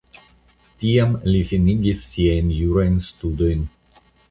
Tiam li finigis siajn jurajn studojn.